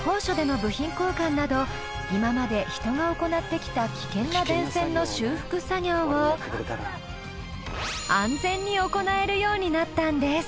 今まで人が行ってきた危険な電線の修復作業を安全に行えるようになったんです。